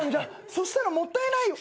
そしたらもったいないよ。